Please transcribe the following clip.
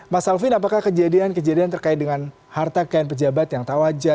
mas alvin apakah kejadian kejadian terkait dengan harta kekayaan pejabat yang tak wajar